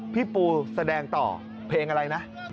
พี่ปูแสดงต่อเพลงอะไรนะ